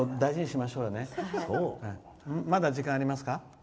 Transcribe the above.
まだ時間ありますか。